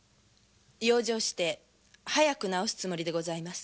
養生して早く治すつもりです。